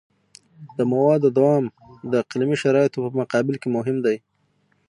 د موادو دوام د اقلیمي شرایطو په مقابل کې مهم دی